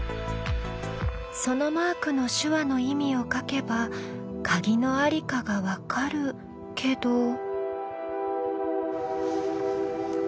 そのマークの手話の意味を書けばカギの在りかが分かるけど。